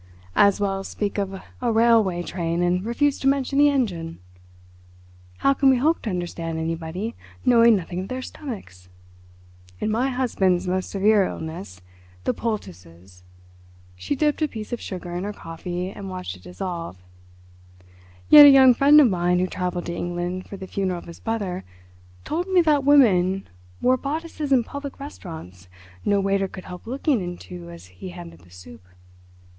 As well speak of a railway train and refuse to mention the engine. How can we hope to understand anybody, knowing nothing of their stomachs? In my husband's most severe illness—the poultices—" She dipped a piece of sugar in her coffee and watched it dissolve. "Yet a young friend of mine who travelled to England for the funeral of his brother told me that women wore bodices in public restaurants no waiter could help looking into as he handed the soup."